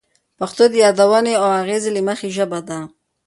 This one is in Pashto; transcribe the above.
پښتو د یادونې او اغیزې له مخې ژبه ده.